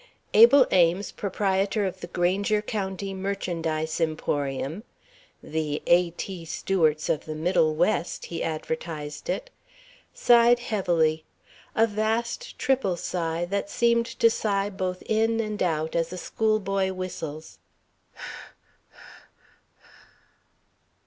Abel Ames, proprietor of the Granger County Merchandise Emporium ("The A. T. Stewart's of the Middle West," he advertised it), sighed heavily a vast, triple sigh, that seemed to sigh both in and out, as a schoolboy whistles.